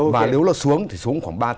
và nếu nó xuống thì xuống khoảng ba mươi tám